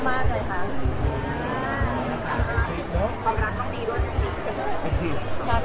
ความรักต้องดีด้วย